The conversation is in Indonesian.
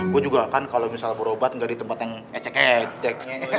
gue juga kan kalo misal berobat gak di tempat yang ecek ecek